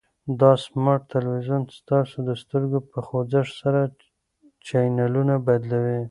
دا سمارټ تلویزیون ستاسو د سترګو په خوځښت سره چینلونه بدلوي.